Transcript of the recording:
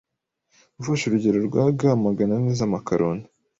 Ufashe urugero rwa g Magana ane z’amakaroni,